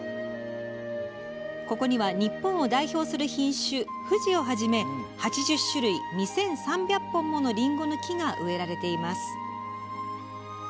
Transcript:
ここには、日本を代表する品種「ふじ」をはじめ８０種類、２３００本ものりんごの木が植えられています。